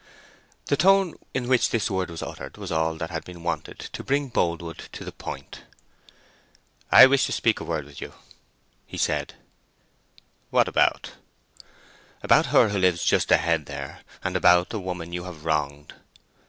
The tone in which this word was uttered was all that had been wanted to bring Boldwood to the point. "I wish to speak a word with you," he said. "What about?" "About her who lives just ahead there—and about a woman you have wronged."